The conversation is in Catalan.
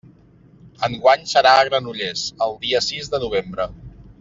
Enguany serà a Granollers, el dia sis de novembre.